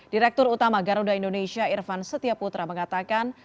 direktur utama garuda indonesia irvan setiaputra mengatakan